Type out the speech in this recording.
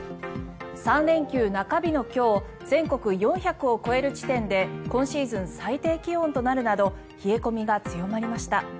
３連休中日の今日全国４００を超える地点で今シーズン最低気温となるなど冷え込みが強まりました。